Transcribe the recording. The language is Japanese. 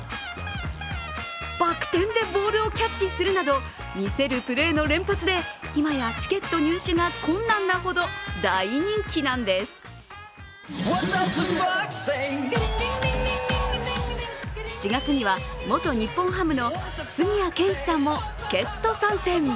バク転でボールをキャッチするなど見せるプレーの連続で今やチケット入手が困難なほど大人気なんです７月には、元日本ハムの杉谷拳士さんも助っと参戦。